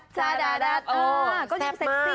ใช่มะละแซ่บมาก